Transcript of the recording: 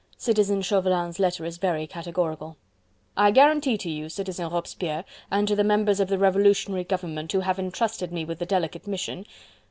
Citizen Chauvelin's letter is very categorical: "I guarantee to you, Citizen Robespierre, and to the Members of the Revolutionary Government who have entrusted me with the delicate mission..."